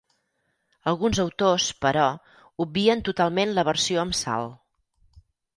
Alguns autors, però, obvien totalment la versió amb salt.